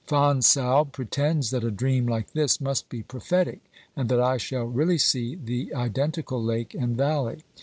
Fonsalbe pretends that a dream like this must be prophetic, and that I shall really see the identical lake and valley.